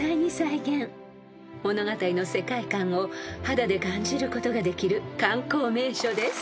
［物語の世界観を肌で感じることができる観光名所です］